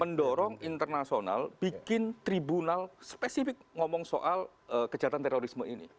mendorong internasional bikin tribunal spesifik ngomong soal kejahatan terorisme ini